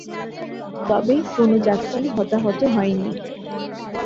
তবে কোন যাত্রী হতাহত হয়নি।